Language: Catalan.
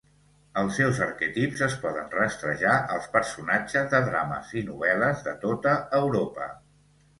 Els seus arquetips es poden rastrejar als personatges de drames i novel·les de tota Europa.